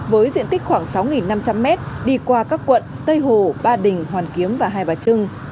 với diện tích khoảng sáu năm trăm linh m đi qua các quận tây hồ ba đình hoàn kiếm và hai bà trưng